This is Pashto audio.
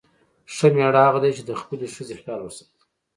ښه میړه هغه دی چې د خپلې ښځې خیال وساتي.